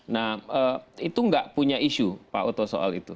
nah itu nggak punya isu pak oto soal itu